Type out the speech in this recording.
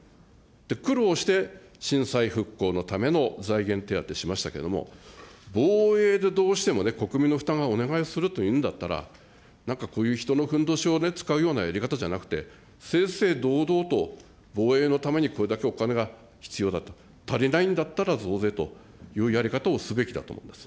苦労して震災復興のための財源手当てしましたけれども、防衛でどうしても、国民の負担をお願いするというんだったら、なんかこういう人のふんどしを使うようなやり方じゃなくて、正々堂々と、防衛のためにこれだけお金が必要だと、足りないんだったら増税というやり方をすべきだと思います。